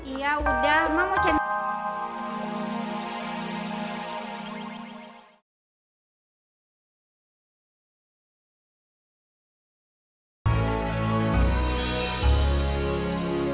iya udah emak mau cendol